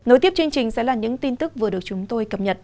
nối tiếp chương trình sẽ là những tin tức vừa được chúng tôi cập nhật